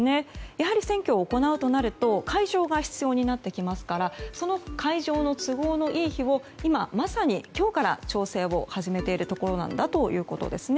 やはり選挙を行うとなると会場が必要になってきますからその会場の都合のいい日を今まさに今日から調整を始めているところだということです。